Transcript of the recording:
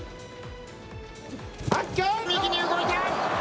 右に動いた。